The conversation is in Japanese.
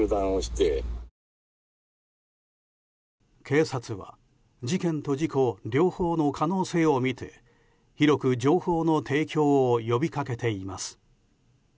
警察は事件と事故、両方の可能性を見て広く情報の提供を呼びかけています。